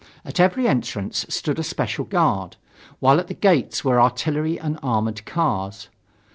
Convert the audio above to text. At every entrance stood a special guard, while at the gates were artillery and armored cars.